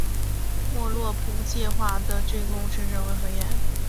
莫洛托夫计划最终扩充成立经济互助委员会。